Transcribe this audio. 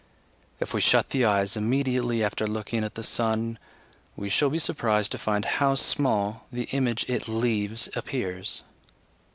If we shut the eyes immediately after looking at the sun we shall be surprised to find how small the image it leaves appears.